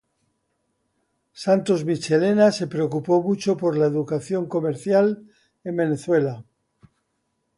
Santos Michelena se preocupó mucho por la educación comercial en Venezuela.